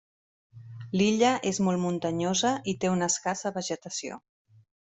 L'illa és molt muntanyosa i té una escassa vegetació.